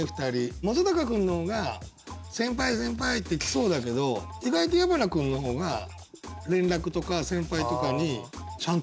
本君の方が「先輩先輩」って行きそうだけど意外と矢花君の方が連絡とか先輩とかにちゃんとするよね。